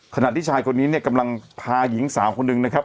ขณะที่ชายคนนี้เนี่ยกำลังพาหญิงสาวคนหนึ่งนะครับ